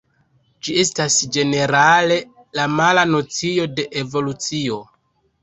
Ĝi estas ĝenerale la mala nocio de «Evolucio».